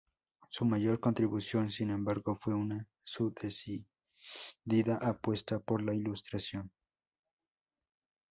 Su mayor contribución, sin embargo, fue su decidida apuesta por la Ilustración.